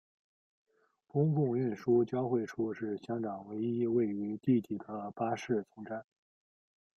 公共运输交汇处是香港唯一位于地底的巴士总站。